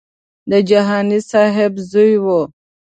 د جهاني صاحب زوی و.